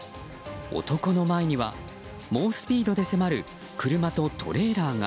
男の前には猛スピードで迫る車とトレーラーが。